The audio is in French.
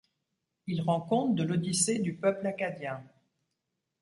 Il rend compte de l'odyssée du peuple acadien.